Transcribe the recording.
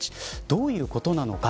どういうことなのか。